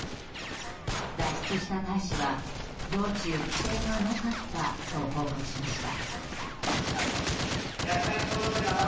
脱出した大使は道中、危険はなかったと報告しました。